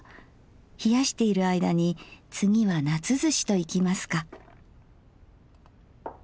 冷やしている間に次は夏ずしといきますか。